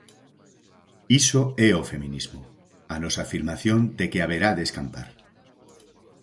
Iso é o feminismo, a nosa afirmación de que haberá de escampar.